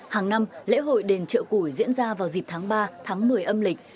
hàng năm lễ hội đền trợ củi diễn ra vào dịp tháng ba tháng một mươi âm lịch